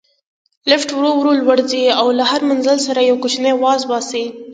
لفټ ورو ورو لوړ ځي او له هر منزل سره یو کوچنی اواز باسي.